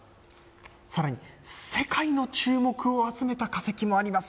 さらに世界の注目を集めた化石もあります。